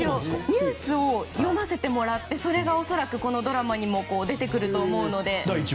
ニュースを読ませてもらってそれが恐らく、このドラマにも出てくると思うので。